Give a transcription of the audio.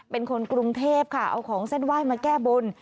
เป็นคนกรุงเทพค่ะเอาของเส้นไหว้มาแก้บน